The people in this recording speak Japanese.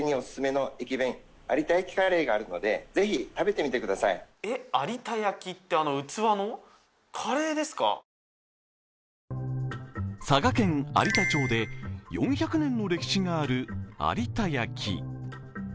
続いては佐賀県有田町で４００年の歴史がある有田焼。